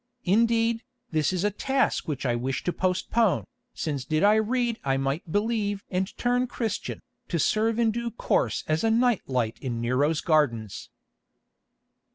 Indeed, this is a task which I wish to postpone, since did I read I might believe and turn Christian, to serve in due course as a night light in Nero's gardens.